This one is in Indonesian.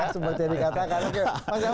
seperti yang dikatakan